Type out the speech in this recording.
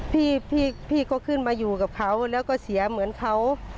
พี่ก็ขึ้นมาอยู่กับเขาแล้วก็เสียเหมือนเขา